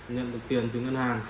nhận được tiền từ ngân hàng